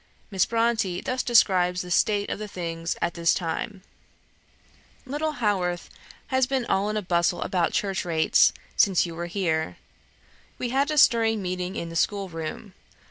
Miss Bronte thus describes the state of things at this time: "Little Haworth has been all in a bustle about church rates, since you were here. We had a stirring meeting in the schoolroom.